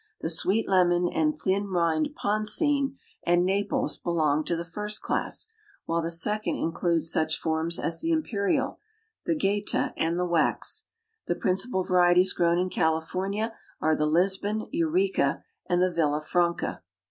The sweet lemon and thin rind Poncine and Naples belong to the first class, while the second includes such forms as the imperial, the Gaëta and the wax. The principal varieties grown in California are the Lisbon, Eureka and the Villa Franca.